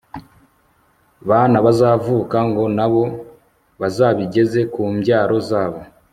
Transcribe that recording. bana bazavuka, ngo na bo bazabigeze ku mbyaro zabo